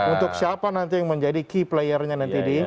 untuk siapa nanti yang menjadi key playernya nanti di